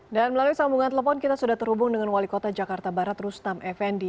melalui sambungan telepon kita sudah terhubung dengan wali kota jakarta barat rustam effendi